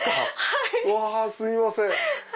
うわすいません！